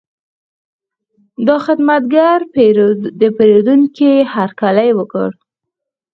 دا خدمتګر د پیرودونکي هرکلی وکړ.